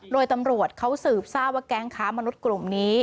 โดยตำรวจเขาสืบทราบว่าแก๊งค้ามนุษย์กลุ่มนี้